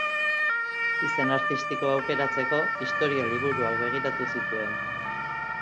Izen artistikoa aukeratzeko historia liburuak begiratu zituen.